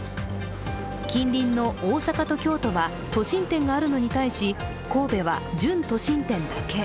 近隣の大阪と京都は都心店があるのに対し神戸は準都心店だけ。